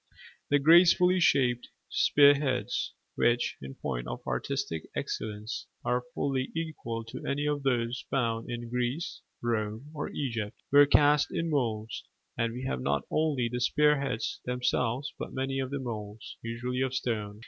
The gracefully shaped spear heads, which, in point of artistic excellence, are fully equal to any of those found in Greece, Rome, or Egypt, were cast in moulds: and we have not only the spear heads themselves but many of the moulds, usually of stone.